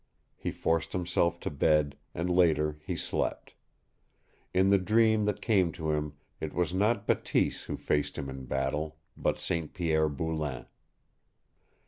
He forced himself to bed, and later he slept. In the dream that came to him it was not Bateese who faced him in battle, but St. Pierre Boulain.